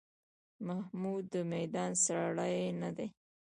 محمود د میدان سړی نه دی.